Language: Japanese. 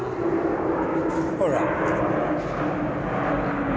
ほら。